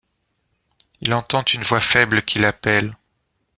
Il entend une voix faible qui l’appelle.